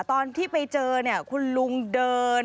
ตอนที่ไปเจอคุณลุงเดิน